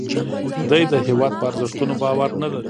دی د هیواد په ارزښتونو باور نه لري